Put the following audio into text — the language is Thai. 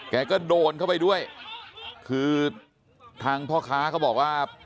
แกก็โดนเข้าไปด้วยคือทางพ่อค้าเขาบอกว่า